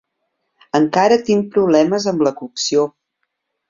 Encara tinc problemes amb la cocció.